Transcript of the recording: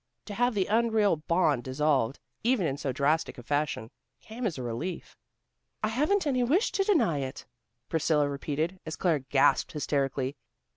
To have the unreal bond dissolved, even in so drastic a fashion, came as a relief. "I haven't any wish to deny it," Priscilla repeated, as Claire gasped hysterically.